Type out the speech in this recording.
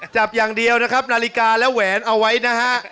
จับอย่างเดียวนะครับนาฬิกาและแหวนเอาไว้นะฮะ